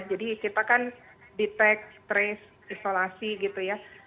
jadi kita kan detek trace isolasi gitu ya